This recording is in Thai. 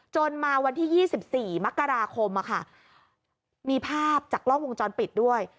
มาวันที่๒๔มกราคมมีภาพจากกล้องวงจรปิดด้วย